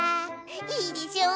いいでしょう。